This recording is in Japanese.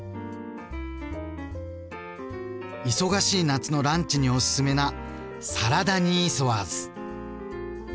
忙しい夏のランチにおすすめなサラダニーソワーズ。